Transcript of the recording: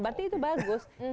berarti itu bagus